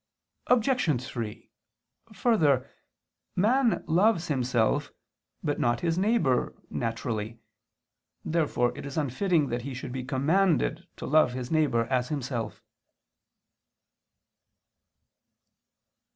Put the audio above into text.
Obj. 3: Further, man loves himself, but not his neighbor, naturally. Therefore it is unfitting that he should be commanded to love his neighbor as himself.